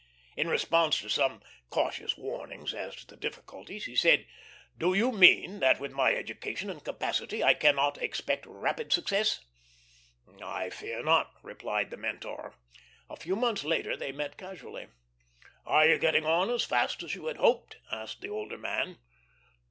In response to some cautious warning as to the difficulties, he said: "Do you mean that with my education and capacity I cannot expect rapid success?" "I fear not," replied the mentor. A few months later they met casually. "Are you getting on as fast as you had hoped?" asked the older man.